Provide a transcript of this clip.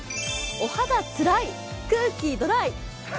お肌ツライ、空気ドライ。